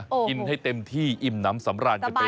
กินให้เต็มที่อิ่มน้ำสำราญกันไป